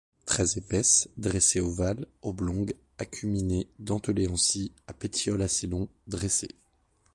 Très épaisses, dressées, ovales, oblongues, acuminées, dentelées en scie, à pétiole assez long, dressés.